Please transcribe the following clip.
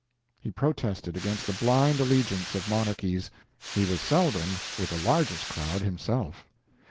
He protested against the blind allegiance of monarchies. He was seldom "with the largest crowd" himself.